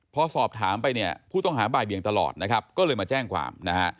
พอสอบถามไปผู้ต้องหาบ่ายเบียงตลอดก็เลยมาแจ้งความ